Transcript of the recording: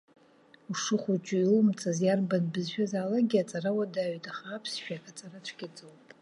Ушыхәыҷу иумҵаз иарбан бызшәазаалакгьы аҵара уадаҩуп, аха аԥсшәак аҵара цәгьаӡоуп.